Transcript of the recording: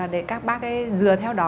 để các bác ấy dừa theo đó